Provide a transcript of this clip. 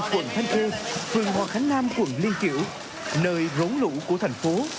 quận thanh khê phường hòa khánh nam quận liên kiểu nơi rốn lũ của thành phố